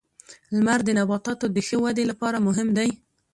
• لمر د نباتاتو د ښه ودې لپاره مهم دی.